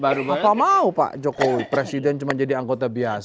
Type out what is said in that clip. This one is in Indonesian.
bapak mau pak jokowi presiden cuma jadi anggota biasa